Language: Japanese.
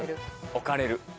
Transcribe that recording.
置かれる。